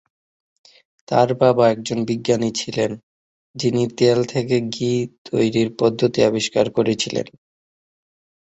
তাঁর বাবা একজন বিজ্ঞানী ছিলেন, যিনি তেল থেকে ঘি তৈরির পদ্ধতি আবিষ্কার করেছিলেন।